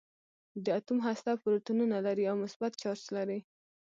د اتوم هسته پروتونونه لري او مثبت چارج لري.